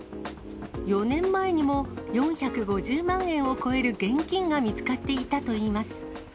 ４年前にも４５０万円を超える現金が見つかっていたといいます。